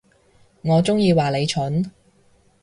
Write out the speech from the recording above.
我中意話你蠢